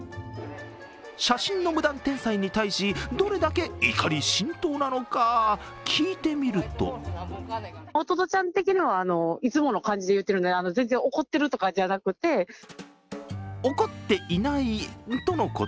写真の無断転載に対し、どれだけ怒り心頭なのか聞いてみると怒っていないとのこと。